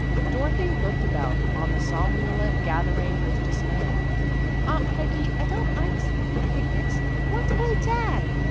Dorothy looked about on the somnolent gathering with dismay. "Aunt Peggy, I don't like sleepy picnics. I want to play tag."